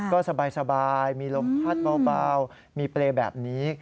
ก็สบายมีลมพัดเบามีเปรย์แบบนี้